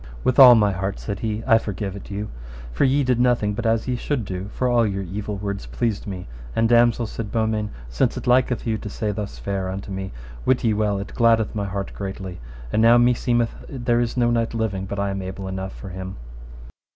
With all my heart, said he, I forgive it you, for ye did nothing but as ye should do, for all your evil words pleased me; and damosel, said Beaumains, since it liketh you to say thus fair unto me, wit ye well it gladdeth my heart greatly, and now meseemeth there is no knight living but I am able enough for him.